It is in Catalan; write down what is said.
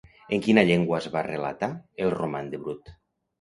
En quina llengua es va relatar el Roman de Brut?